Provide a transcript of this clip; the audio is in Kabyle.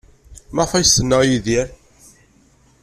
Maɣef ay as-tenna i Yidir?